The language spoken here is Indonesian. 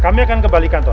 kami akan kembali kantor